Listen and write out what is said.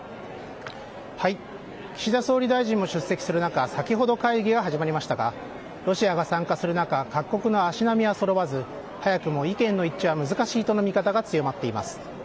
岸田総理大臣も出席する中、先ほど会議が始まりましたが、ロシアが参加する中、各国の足並みはそろわず、早くも意見の一致は難しいとの見方が強まっています。